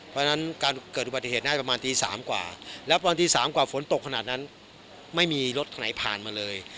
เพราะฉะนั้นการเกิดอุบัติเหตุได้ประมาณตี๓กว่าแล้วตอนตี๓กว่าฝนตกขนาดนั้นไม่มีรถไหนผ่านมาเลย